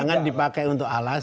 jangan dipakai untuk alasan